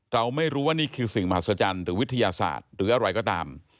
เราไม่รู้ว่านี่คือสิ่งมหัศจรรย์หรือวิทยาศาสตร์หรืออะไรก็ตาม